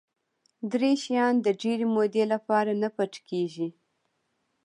دری شیان د ډېرې مودې لپاره نه پټ کېږي.